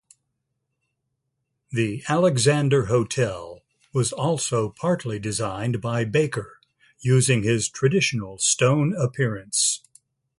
The Alexander Hotel was also partly designed by Baker, using his traditional stone appearance.